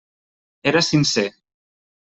Era sincer.